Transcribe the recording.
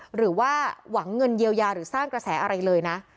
หรือว่าหวังเงินเยียวยาหรือสร้างกระแสอะไรเลยนะ